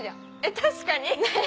確かに！